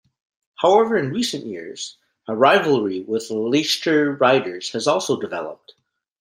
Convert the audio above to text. However in recent years a rivalry with the Leicester Riders has also developed.